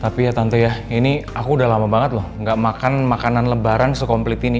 tapi ya tante ya ini aku udah lama banget loh gak makan makanan lebaran sekomplit ini